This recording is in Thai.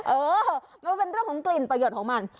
เออมันเป็นเรื่องของกลิ่นประโยชน์ของมัน